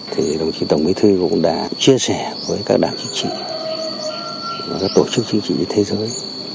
thì đồng chí tổng bí thư cũng đã chia sẻ với các đảng chính trị và các tổ chức chính trị thế giới